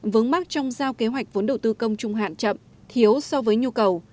vướng mắt trong giao kế hoạch vốn đầu tư công trung hạn chậm thiếu so với nhu cầu